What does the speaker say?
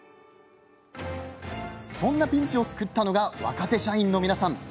そんなピンチを救ったのが若手社員の皆さん。